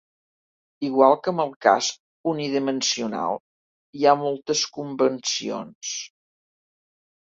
Igual que amb el cas unidimensional, hi ha moltes convencions.